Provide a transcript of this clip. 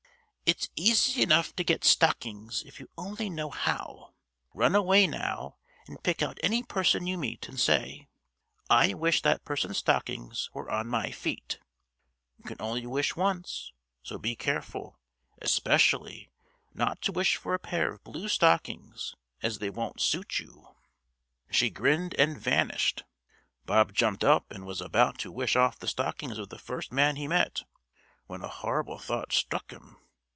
"It's easy enough to get stockings if you only know how. Run away now and pick out any person you meet and say, 'I wish that person's stockings were on my feet.' You can only wish once, so be careful, especially, not to wish for a pair of blue stockings, as they won't suit you." She grinned and vanished. Bob jumped up and was about to wish off the stockings of the first man he met, when a horrible thought struck him.